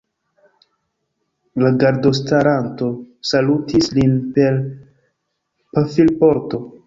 La gardostaranto salutis lin per pafilporto.